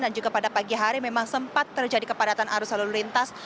dan juga pada pagi hari memang sempat terjadi kepadatan arus lalu lintas